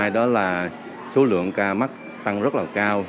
đó là số lượng ca mắc tăng rất là cao